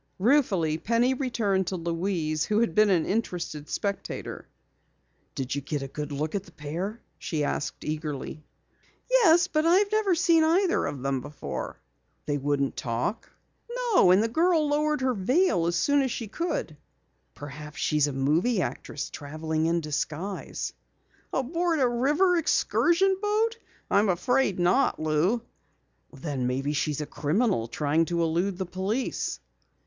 Ruefully Penny returned to Louise who had been an interested spectator. "Did you get a good look at the pair?" she asked eagerly. "Yes, but I've never seen either of them before." "They wouldn't talk?" "No, and the girl lowered her veil as soon as she could." "Perhaps she's a movie actress traveling in disguise." "Aboard a river excursion boat? I'm afraid not, Lou." "Then maybe she's a criminal trying to elude the police."